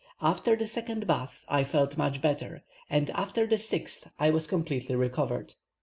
After the second bath, I felt much better, and after the sixth, I was completely recovered.